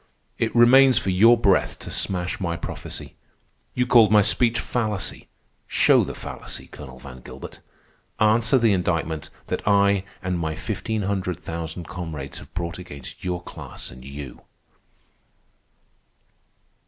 It remains for your breath to smash my prophecy. You called my speech fallacy. Show the fallacy, Colonel Van Gilbert. Answer the indictment that I and my fifteen hundred thousand comrades have brought against your class and you."